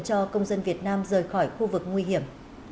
cho công dân việt nam rời khỏi khu vực nguy hiểm